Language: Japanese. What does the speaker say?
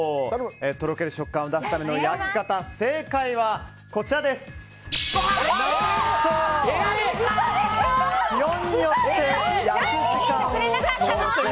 とろける食感を出すための焼き方正解は何と気温によって焼く時間を調整。